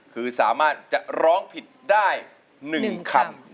คือสามารถจะร้องผิดได้๑คำ